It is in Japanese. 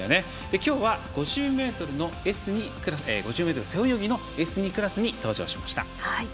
今日は、５０ｍ背泳ぎＳ２クラスに登場しました。